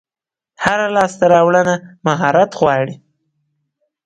هره لاسته راوړنه مهارت غواړي.